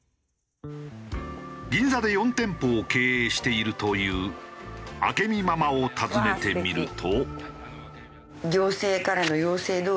銀座で４店舗を経営しているという明美ママを訪ねてみると。